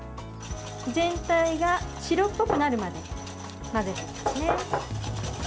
全体が白っぽくなるまで混ぜていきますね。